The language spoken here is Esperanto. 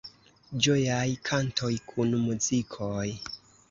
Ĝojaj kantoj kun muzikoj